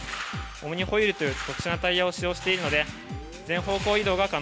オムニホイールという特殊なタイヤを使用しているので全方向移動が可能です。